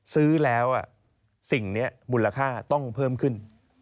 ซื้อแล้วสิ่งนี้มูลค่าต้องเพิ่มขึ้น